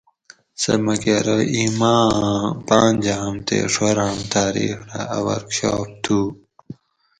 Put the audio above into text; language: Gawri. سہۤ مکہۤ ارو اِیں ماۤ آۤں پانجاۤم تے ڛوراۤم تاۤریخ رہ اۤ ورکشاپ تھُو